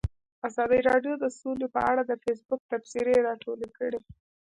ازادي راډیو د سوله په اړه د فیسبوک تبصرې راټولې کړي.